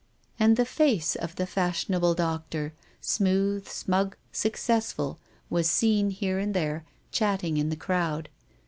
And the face of the fashionable doctor, smooth, smug, successful, was seen here and there chatting in the crowd.